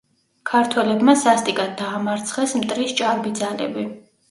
ქართველებმა სასტიკად დაამარცხეს მტრის ჭარბი ძალები.